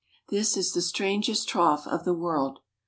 This is the strangest trough of the world.